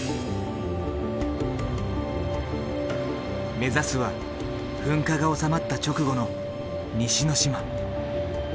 目指すは噴火が収まった直後の西之島。